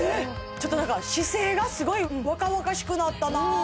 ちょっと何か姿勢がすごい若々しくなったな